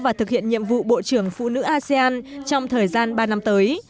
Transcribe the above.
và thực hiện nhiệm vụ bộ trưởng phụ nữ asean trong thời gian ba năm tới